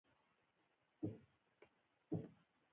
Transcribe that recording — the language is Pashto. رئیس جمهور خپلو عسکرو ته امر وکړ؛ د ازادۍ لپاره قرباني ورکړئ!